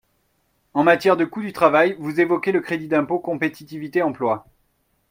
En matière de coût du travail, vous évoquez le crédit d’impôt compétitivité emploi.